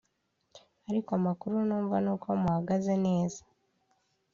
ariko amakuru numva nuko muhagaze neza